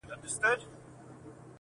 • دواړه لاسه يې کړل لپه.